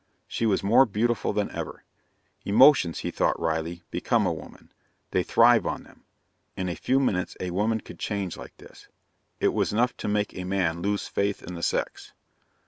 She was more beautiful than ever. Emotions, he thought wryly, become a woman; they thrive on them. In a few minutes a woman could change like this. It was enough to make a man lose faith in the sex.